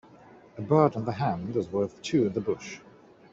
A bird in the hand is worth two in the bush